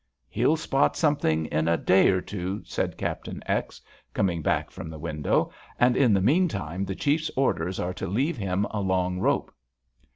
"He'll spot something in a day or two," said Captain X., coming back from the window, "and in the meantime the Chief's orders are to leave him a long rope."